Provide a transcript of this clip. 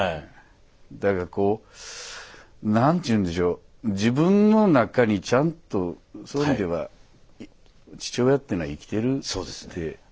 だからこう何ていうんでしょう自分の中にちゃんとそういう意味では父親っていうのは生きてるって。